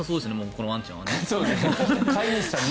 このワンちゃんはね。